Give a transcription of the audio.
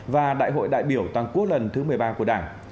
và đại hội đại biểu toàn quốc lần thứ một mươi ba của đảng